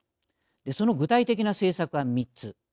その具体的な政策は、３つ。